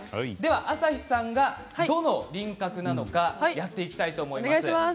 朝日さんがどの輪郭なのかやっていきたいと思います。